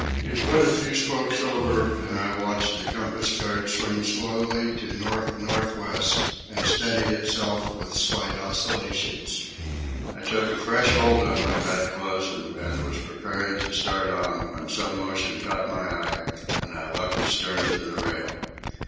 He put a few spokes over, and I watched the compass card swing slowly to N.N.W. and steady itself with slight oscillations. I took a fresh hold on my bedclothes and was preparing to start on, when some movement caught my eye and I looked astern to the rail.